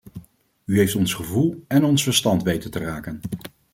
U heeft ons gevoel en ons verstand weten te raken.